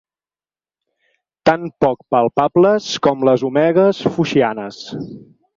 Tan poc palpables com les omegues foixianes.